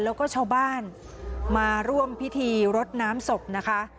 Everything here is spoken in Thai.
แล้วก็ชาวบ้านมาร่วมพิธีรดน้ำศพนะคะ